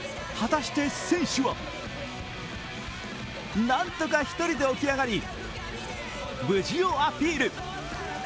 果たして選手は？何とか１人で起き上がり無事をアピール。